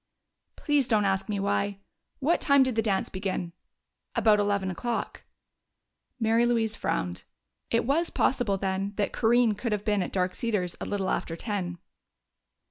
"Please don't ask me why! What time did the dance begin?" "About eleven o'clock." Mary Louise frowned; it was possible, then, that Corinne could have been at Dark Cedars a little after ten.